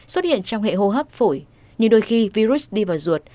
xuất hiện trong hệ hô hấp phổi nhưng đôi khi virus đi vào ruột